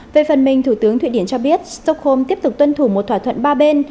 về phần mình thủ tướng thụy điển cho biết stockholm tiếp tục tuân thủ một thỏa thuận ba bên